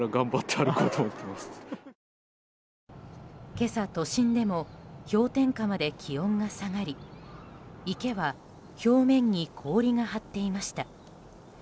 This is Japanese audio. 今朝、都心でも氷点下まで気温が下がり池は表面に氷が張っていました。